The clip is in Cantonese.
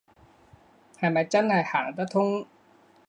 係咪真係行得通